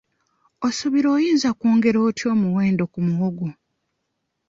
Osuubira oyinza kwongera otya omuwendo ku muwogo?